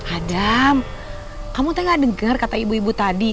adam kamu tadi gak dengar kata ibu ibu tadi